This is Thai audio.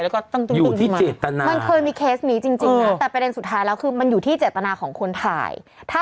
แต่ที่นี้เคยเห็นที